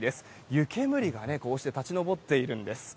湯けむりがこうして立ち上っているんです。